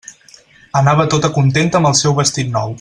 Anava tota contenta amb el seu vestit nou.